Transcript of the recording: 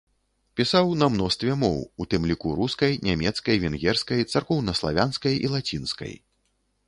Пісаў на мностве моў, у тым ліку рускай, нямецкай, венгерскай, царкоўнаславянскай і лацінскай.